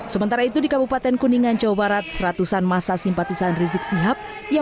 sementara itu di kabupaten kuningan jawa barat seratusan masa simpatisan rizik sihab yang